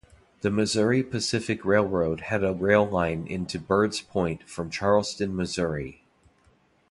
The Missouri Pacific Railroad had a rail line into Birds Point from Charleston, Missouri.